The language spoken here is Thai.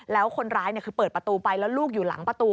แล้วคนร้ายคือเปิดประตูไปแล้วลูกอยู่หลังประตู